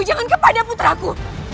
jangan kepada putraku